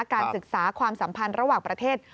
การศึกษาความสัมพันธ์ระหว่างประเทศ